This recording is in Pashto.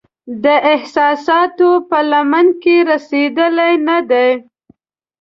د احساساتو په لمن کې رسیدلې نه دی